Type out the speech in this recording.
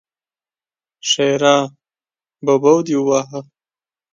ښېرا: ببو دې ووهه!